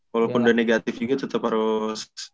walaupun udah negatif juga tetap harus